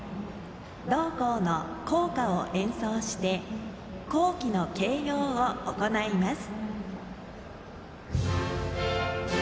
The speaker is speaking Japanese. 同校の校歌を演奏して校旗の掲揚を行います。